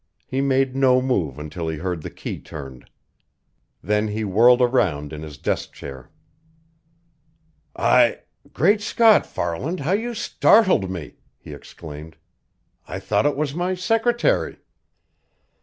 He made no move until he heard the key turned. Then he whirled around in his desk chair. "I Great Scott, Farland, how you startled me!" he exclaimed. "I thought it was my secretary."